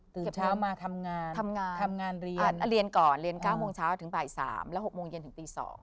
เก็บเช้ามาทำงานทำงานเรียนเรียนก่อนเรียน๙โมงเช้าถึงบ่าย๓และ๖โมงเย็นถึงตี๒